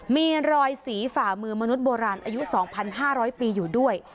มีรอยสีฝ่ามือมนุษย์โบราณอายุสองพันห้าร้อยปีอยู่ด้วย